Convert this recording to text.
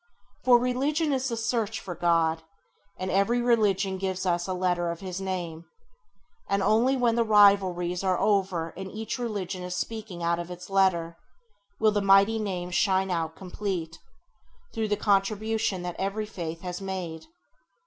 For religion is the search for God, and every religion gives us a letter of His Name; and only when the rivalries are over and each religion is speaking out its letter, will the mighty Name shine out complete, through the contribution that every faith has made.